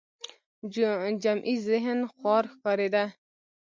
جمعي ذهن خوار ښکارېده